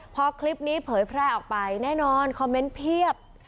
พอคลิปนี้เผยแพร่ออกไปแน่นอนคอมเมนต์เพียบ